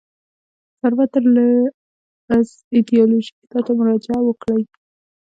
فربه تر از ایدیالوژی کتاب ته مراجعه وکړئ.